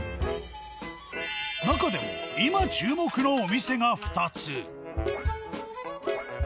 中でも今注目のお店が２つ。